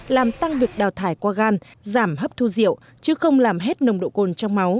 làm tăng việc đào thải qua gan giảm hấp thu rượu chứ không làm hết nồng độ cồn trong máu